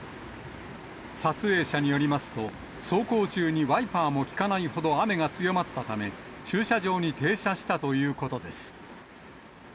撮影者によりますと、走行中にワイパーも効かないほど雨が強まったため、駐車場に停車したということです。